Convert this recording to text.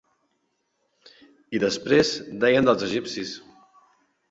I després deien dels egipcis!